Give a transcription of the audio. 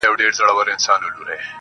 بیا خرڅ کړئ شاه شجاع یم پر پردیو.